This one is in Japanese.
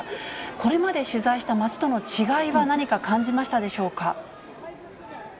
これまで取材した町との違いは何か感じましたでしょうか。